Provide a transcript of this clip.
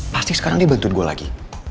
pasti sekarang dia bantuin gue lagi